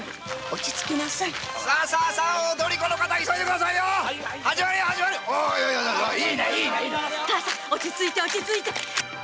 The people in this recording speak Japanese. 落ち着いて落ち着いて。